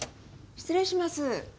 失礼します。